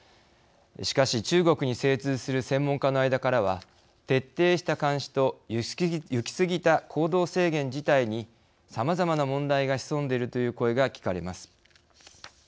しかし中国に精通する専門家の間からは徹底した監視と行き過ぎた行動制限自体にさまざまな問題が潜んでいるという声が聞かれます。